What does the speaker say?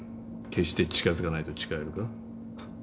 決して近づかないと誓えるか？